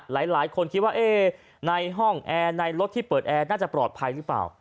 หลายคนคิดว่าในห้องแอร์ในรถที่เปิดแอร์น่าจะปลอดภัยหรือเปล่า